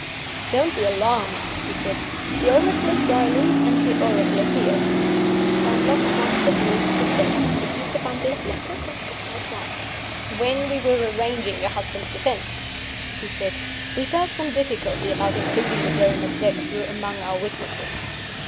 "Don't be alarmed," he said. "The oracle is silent; and the oracle is here." He unlocked one of the drawers of his desk; produced a bundle of letters, and picked out one. "When we were arranging your husband's defense," he said, "we felt some difficulty about including Miserrimus Dexter among our witnesses.